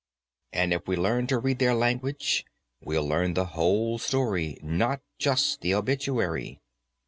And if we learn to read their language, we'll learn the whole story, not just the obituary.